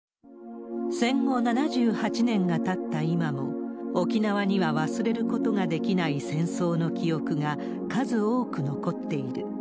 戦後７８年がたった今も、沖縄には忘れることができない戦争の記憶が数多く残っている。